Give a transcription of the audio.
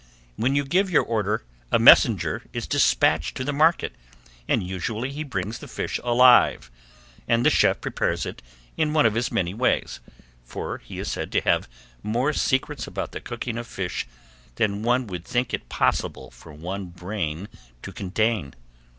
When you give your order a messenger is dispatched to the market and usually he brings the fish alive and the chef prepares it in one of his many ways, for he is said to have more secrets about the cooking of fish than one would think it possible for one brain to contain.